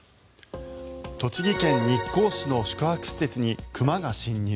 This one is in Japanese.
栃木県日光市の宿泊施設に熊が侵入。